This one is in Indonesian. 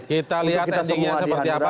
kita lihat endingnya seperti apa